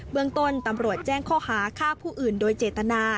เมืองต้นตำรวจแจ้งข้อหาฆ่าผู้อื่นโดยเจตนา